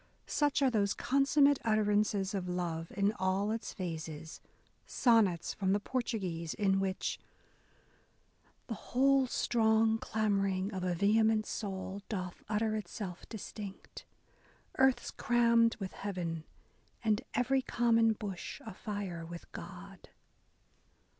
Such are A DAY WITH E. B. BROWNING those consummate utterances of love in all its phases, Sonnets from the Portuguese : in which "The whole strong clamouring of a vehe ment soul Doth utter itself distinct. Earth's crammed with Heaven, And every common bush afire with God."